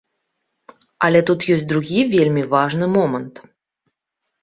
Але тут ёсць другі вельмі важны момант.